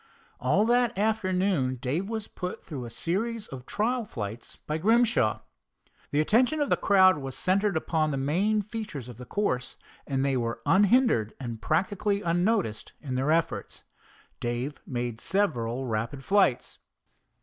All that afternoon Dave was put through a series of trial flights by Grimshaw. The attention of the crowd was centered upon the main features of the course, and they were unhindered and practically unnoticed in their efforts. Dave made several rapid flights.